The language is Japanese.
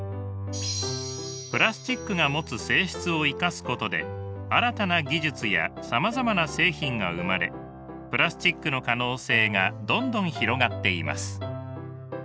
プラスチックが持つ性質を生かすことで新たな技術やさまざまな製品が生まれプラスチックの可能性がどんどん広がっています。